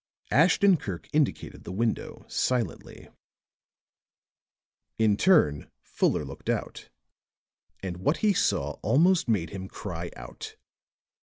Ashton Kirk indicated the window silently. In turn Fuller looked out, and what he saw almost made him cry out.